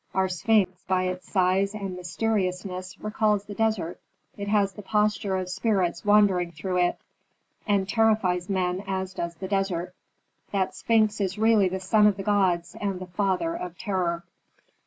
Our sphinx by its size and mysteriousness recalls the desert. It has the posture of spirits wandering through it, and terrifies men as does the desert. That sphinx is really the son of the gods and the father of terror."